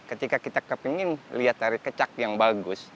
ketika kita ingin lihat dari kecak yang bagus